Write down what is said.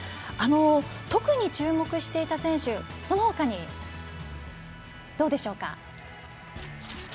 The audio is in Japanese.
特に注目していた選手そのほかに、どうでしょうか？